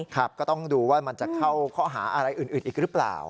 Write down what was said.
ก็ต้องดูว่ามันจะเข้าข้อหาอะไรอื่นอีกหรือเปล่า